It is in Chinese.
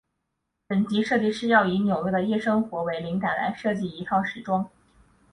本集设计师要以纽约的夜生活为灵感来设计一套时装。